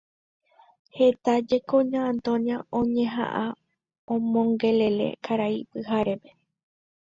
Heta jeko Ña Antonia oñeha'ã omongele'e Karai Pyharépe.